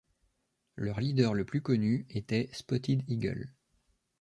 Leur leader le plus connu était Spotted Eagle.